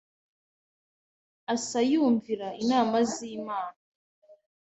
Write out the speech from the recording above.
Asa yumvira inama z Imana